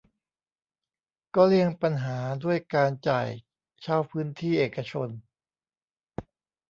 ก็เลี่ยงปัญหาด้วยการจ่ายเช่าพื้นที่เอกชน